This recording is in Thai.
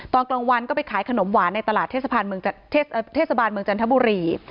ตอนกลางวันก็ไปขายขนมหวานในตลาดเทศบาลเมืองจันทบุรี